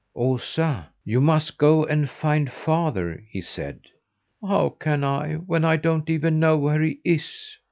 "Osa, you must go and find father," he said. "How can I when I don't even know where he is?"